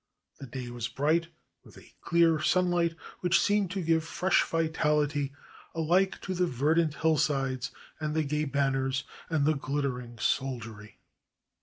The day was bright, with a clear sunlight which seemed to give fresh vitality alike to the verdant hillsides, and the gay 429 JAPAN banners, and the ' glittering soldiery.